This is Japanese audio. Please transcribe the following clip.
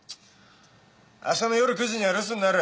明日の夜９時には留守になる。